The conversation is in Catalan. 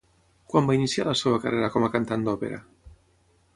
Quan va iniciar la seva carrera com a cantant d'òpera?